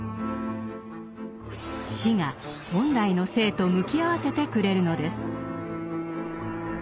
死が本来の生と向き合わせてくれるのです。